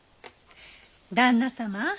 旦那様